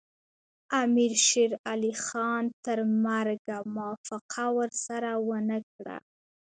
امیر شېر علي خان تر مرګه موافقه ورسره ونه کړه.